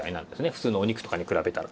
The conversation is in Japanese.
普通のお肉とかに比べたら。